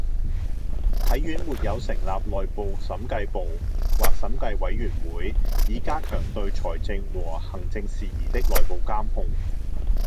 體院沒有成立內部審計部或審計委員會以加強對財政和行政事宜的內部監控